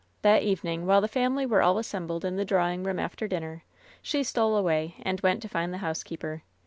That evening, while the family were all assembled in the drawing room after dinner, she stole away and went to find the housekeeper.